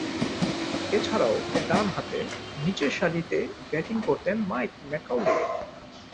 এছাড়াও, ডানহাতে নিচেরসারিতে ব্যাটিং করতেন মাইক ম্যাকাউলি।